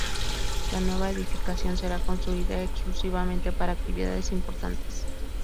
La nueva edificación será construida exclusivamente para actividades importantes.